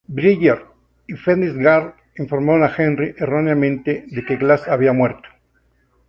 Bridger y Fitzgerald informaron a Henry, erróneamente, de que Glass había muerto.